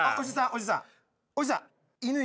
おじさん。